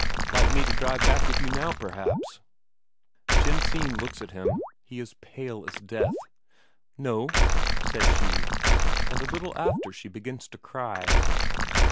"Like me to drive back with you now, perhaps?" Jensine looks at him; he is pale as death. "No," says she. And a little after she begins to cry.